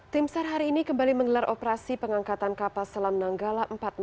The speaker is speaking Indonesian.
timsar hari ini kembali menggelar operasi pengangkatan kapal selam nanggala empat ratus dua